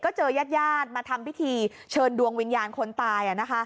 ก็เจอยาดมาทำพิธีเชิญดวงวิญญาณคนตาย